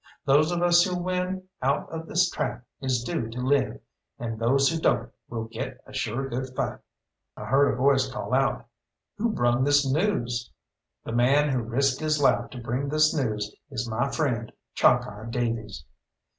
Those of us who win out of this trap is due to live, and those who don't will get a sure good fight." I heard a voice call out, "Who brung this news?" "The man who risked his life to bring this news is my friend Chalkeye Davies."